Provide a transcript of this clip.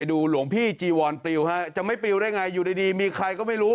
หลวงพี่จีวอนปลิวฮะจะไม่ปลิวได้ไงอยู่ดีมีใครก็ไม่รู้